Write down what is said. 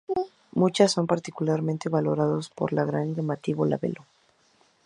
Muchas son particularmente valorados por la gran llamativo labelo.